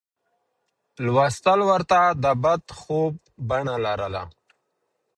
لوستل ورته د بد خوب بڼه لرله.